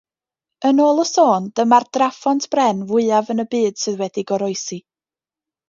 Yn ôl y sôn dyma'r draphont bren fwyaf yn y byd sydd wedi goroesi.